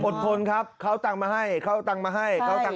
อดทนครับเขาตั้งมาให้เขาตั้งมาให้